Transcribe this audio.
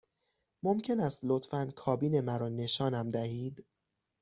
ممکن است لطفاً کابین مرا نشانم دهید؟